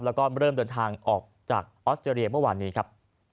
แล้วก็เริ่มเดินทางออกจากออสเตรเลียเมื่อวานนี้ครับ